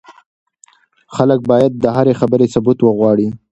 خلک بايد د هرې خبرې ثبوت وغواړي.